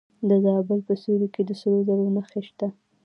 د زابل په سیوري کې د سرو زرو نښې شته.